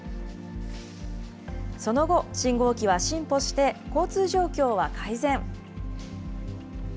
その後、信号機は進歩して、交通状況は改善。